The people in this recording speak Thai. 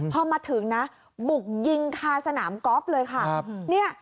มาพอมาถึงนะบุกยิงค่ะสนามกอล์ฟเลยค่ะครับเนี่ย